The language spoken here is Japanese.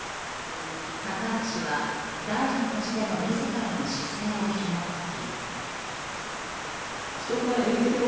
高市氏は、大臣としての自らの姿勢をひも解き。